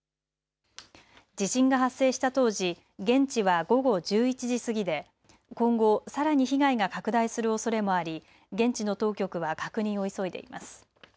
地震が発生した当時、現地は午後１１時過ぎで、今後さらに被害が拡大するおそれもあり現地の当局は確認を急いでいます。